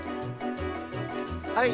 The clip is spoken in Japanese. はい。